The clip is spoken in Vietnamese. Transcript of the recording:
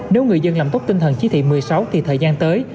nếu người dân làm tốt tinh thần chí thị một mươi sáu thì thời gian tới